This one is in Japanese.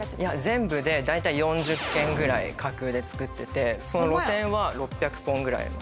全部で大体４０県ぐらい架空で作ってて路線は６００本ぐらい。